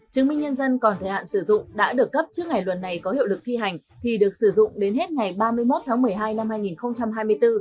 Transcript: chứng minh nhân dân còn thời hạn sử dụng đã được cấp trước ngày luật này có hiệu lực thi hành thì được sử dụng đến hết ngày ba mươi một tháng một mươi hai năm hai nghìn hai mươi bốn